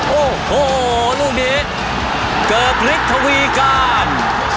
โอ้โหลูกนี้เกิบฤทธวีการ